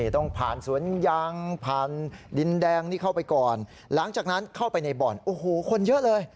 ต้องผ่านสวนยางผ่านดินแดงนี่เข้าไปก่อนหลังจากนั้นเข้าไปในบ่อนโอ้โหคนเยอะเลย